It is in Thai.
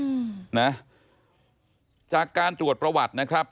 สิ่งที่พูดต่อคนเดียวจากการจวดประวัตินะครับ